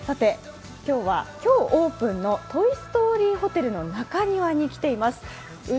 今日は、今日オープンのトイ・ストーリーホテルの中庭に来ています。